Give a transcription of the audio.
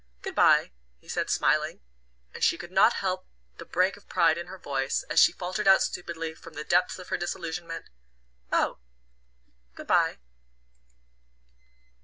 "Good bye," he said, smiling; and she could not help the break of pride in her voice, as she faltered out stupidly, from the depths of her disillusionment: "Oh good bye."